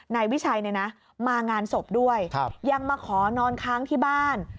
นายวิชัยมางานศพด้วยยังมาขอนอนค้างที่บ้าน